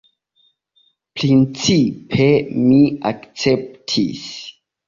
Principe mi akceptis.